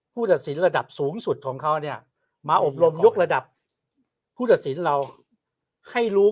ผู้จะสินะระดับสูงสุดของเขาเนี่ยมาอบรมยุคระดับภูมิศิ้นเราให้รู้